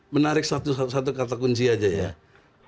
menarik satu satu kata kunci aja ya